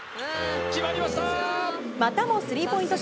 またもスリーポイント